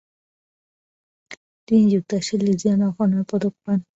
তিনি যুক্তরাষ্ট্রের Legion of honour পদক পান।